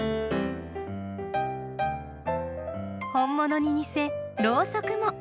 本物に似せろうそくも！